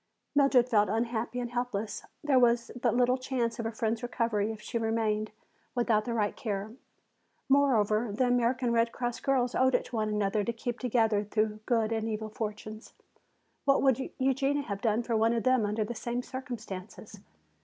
Mildred felt unhappy and helpless. There was but little chance of her friend's recovery if she remained without the right care. Moreover, the American Red Cross girls owed it to one another to keep together through good and evil fortunes. "What would Eugenia have done for one of them under the same circumstances?"